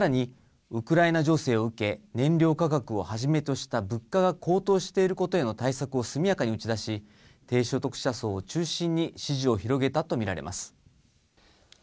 さらに、ウクライナ情勢を受け、燃料価格をはじめとした物価が高騰していることへの対策を速やかに打ち出し、低所得者層を中心に支持を広げたと見られます。